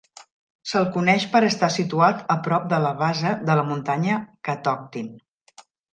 S'el coneix per estar situat a prop de la base de la muntanya Catoctin.